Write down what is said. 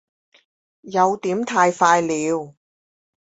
有點太快了